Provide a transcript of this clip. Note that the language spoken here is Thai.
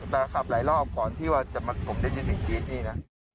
แต่ขับหลายรอบก่อนที่ว่าจะมาผมได้ยินเสียงกรี๊ดนี่นะ